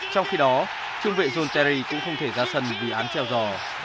trong khi đó trung vệ john terry cũng không thể ra sân vì án treo giò